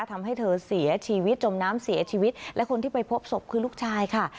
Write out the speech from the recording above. ทำให้เธอเสียชีวิตจมน้ำเสียชีวิตและคนที่ไปพบศพคือลูกชายค่ะ